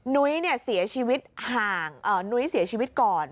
นุ้ยเสียชีวิตห่างนุ้ยเสียชีวิตก่อน